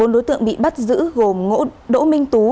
bốn đối tượng bị bắt giữ gồm đỗ minh tú